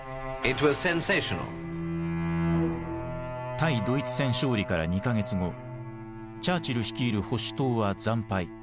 対ドイツ戦勝利から２か月後チャーチル率いる保守党は惨敗。